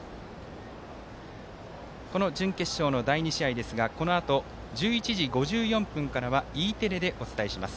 この準決勝の第２試合ですがこのあと１１時５４分からはＥテレでお伝えします。